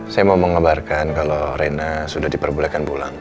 saya mau mengembarkan kalau rena sudah diperbolehkan pulang